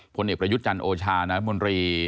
พลเอกประยุทธจันทร์โอชาณมนรี